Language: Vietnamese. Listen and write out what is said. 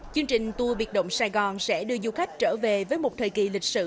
chương trình tour biệt động sài gòn sẽ đưa du khách trở về với một thời kỳ lịch sử